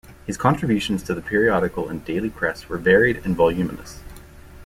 His contributions to the periodical and daily press were varied and voluminous.